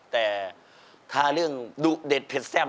แต่ทาเรื่องดุเด็ดเผ็ดแซ่บ